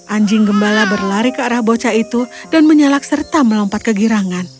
anjing gembala berlari ke arah bocah itu dan menyalak serta melompat ke girangan